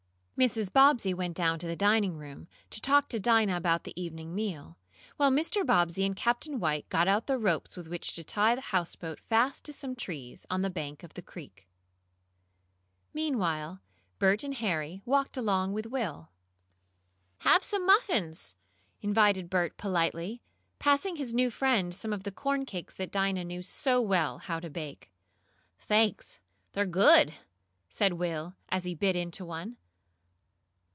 Mrs. Bobbsey went down to the dining room, to talk to Dinah about the evening meal, while Mr. Bobbsey and Captain White got out the ropes with which to tie the houseboat fast to some trees on the bank of the creek. Meanwhile Bert and Harry walked along with Will. "Have some muffins," invited Bert politely, passing his new friend some of the corn cakes that Dinah knew so well how to bake. "Thanks! They're good!" said Will, as he bit into one.